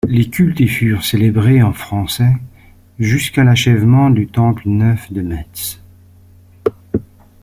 Les cultes y furent célébrés en français jusqu’à l’achèvement du Temple Neuf de Metz.